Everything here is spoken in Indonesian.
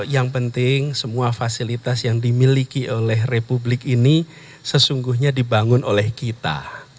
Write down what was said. yang penting semua fasilitas yang dimiliki oleh republik ini sesungguhnya dibangun oleh kita